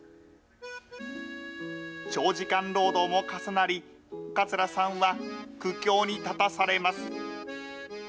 長時間労働も重なり、桂さんは苦境に立たされます。